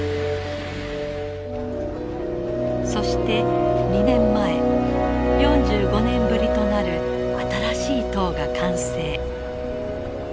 そして２年前４５年ぶりとなる新しい塔が完成。